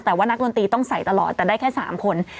แต่ว่านักดนตรีต้องใส่ตลอดแต่ได้แค่๓คน